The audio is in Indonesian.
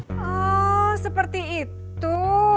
oh seperti itu